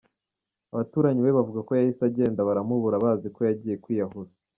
Abaturanyi be bavuga ko yahise agenda baramubura bazi ko yagiye kwiyahura.